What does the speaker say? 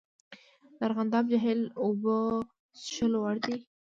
د ارغنداب جهیل اوبه څښلو وړ دي؟